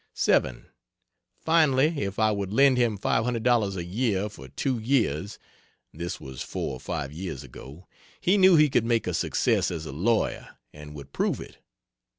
7. Finally, if I would lend him $500 a year for two years, (this was 4 or 5 years ago,) he knew he could make a success as a lawyer, and would prove it.